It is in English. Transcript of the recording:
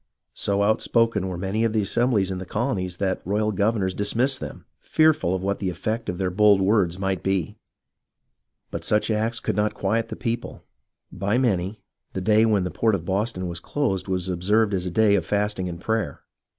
So outspoken were many of 36 HISTORY OF THE AMERICAN REVOLUTION the assemblies of the colonies that the royal governors dis missed them, fearful of what the effect of their bold words might be. But such acts could not quiet the people. By many, the day when the port of Boston was closed was observed as a day of fasting and prayer.